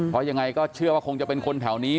เพราะยังไงก็เชื่อว่าคงจะเป็นคนแถวนี้